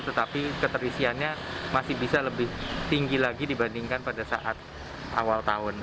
tetapi keterisiannya masih bisa lebih tinggi lagi dibandingkan pada saat awal tahun